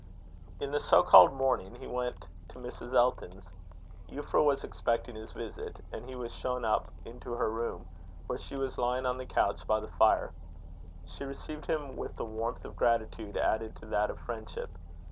In the so called morning he went to Mrs. Elton's. Euphra was expecting his visit, and he was shown up into her room, where she was lying on a couch by the fire. She received him with the warmth of gratitude added to that of friendship.